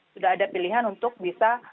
sudah ada pilihan untuk bisa